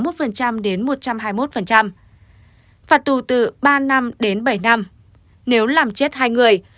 phạt tù từ ba năm đến bảy năm nếu làm chết hai người